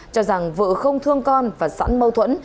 cho rằng vợ không thương con và sẵn mâu thuẫn